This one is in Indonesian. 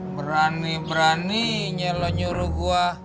berani berani nyelo nyuruh gua